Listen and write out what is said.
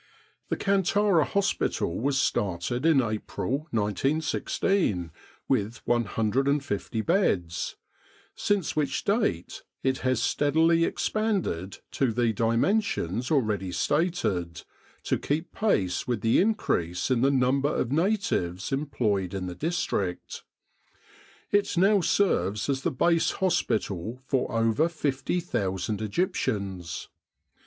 The Kantara Hospital was started in April, 1916, with 150 beds, since which date it has steadily expanded to the dimensions already stated, to keep pace with the increase in the number of natives em ployed in the district. It now serves as the Base hospital for over 50,000 Egyptians.